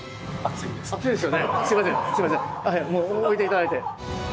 置いていただいて！